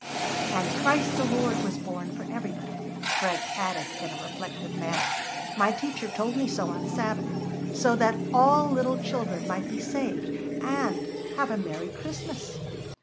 "And Christ the Lord was born for everybody," Frank added in a reflective manner. "My teacher told me so on Sabbath, so that all little children might be saved, and, have a merry Christmas."